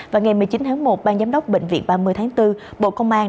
và ngày một mươi chín tháng một bang giám đốc bệnh viện ba mươi tháng bốn bộ công an